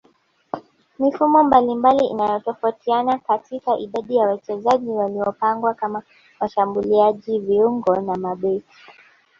Mifumo mbalimbali inatofautiana katika idadi ya wachezaji waliopangwa kama washambuliaji viungo na mabeki